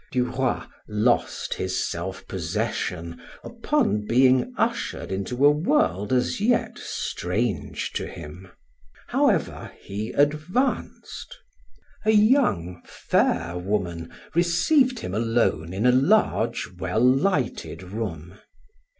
Duroy lost his self possession upon being ushered into a world as yet strange to him. However, he advanced. A young, fair woman received him alone in a large, well lighted room.